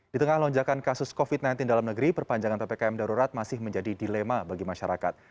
di tengah lonjakan kasus covid sembilan belas dalam negeri perpanjangan ppkm darurat masih menjadi dilema bagi masyarakat